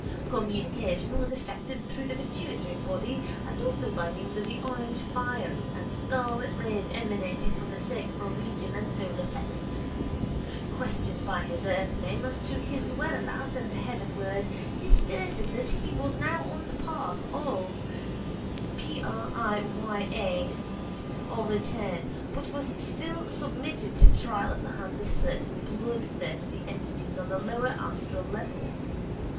Communication was effected through the pituitary body and also by means of the orangefiery and scarlet rays emanating from the sacral region and solar plexus. Questioned by his earthname as to his whereabouts in the heavenworld he stated that he was now on the path of prālāyā or return but was still submitted to trial at the hands of certain bloodthirsty entities on the lower astral levels.